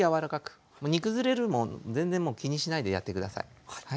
煮崩れるも全然もう気にしないでやって下さい。